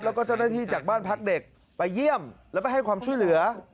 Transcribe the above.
แล้วก็เจ้าหน้าที่จากบ้านพักเด็กไปเยี่ยมแล้วไปให้ความช่วยเหลือ